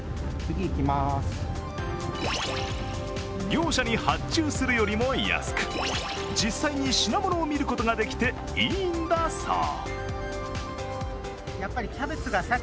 業者に発注するよりも安く、実際に品物を見ることができていいんだそう。